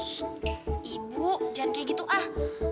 terus ibu jangan kayak gitu ah